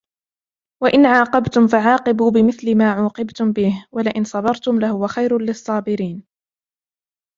وإن عاقبتم فعاقبوا بمثل ما عوقبتم به ولئن صبرتم لهو خير للصابرين